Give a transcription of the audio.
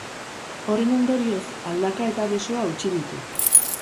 Horren ondorioz, aldaka eta besoa hautsi ditu.